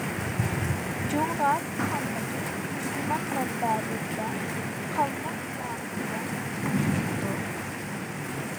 جۇڭغار خانلىقى مۇسۇلمان مەنبەلىرىدە «قالماق» نامى بىلەن يۈرگۈزۈلىدۇ.